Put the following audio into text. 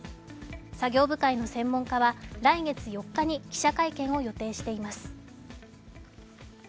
作業部会の専門家は来月４日に記者会見を予定しています。